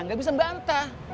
gak bisa bantah